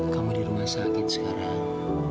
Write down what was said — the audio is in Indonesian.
kamu di rumah sakit sekarang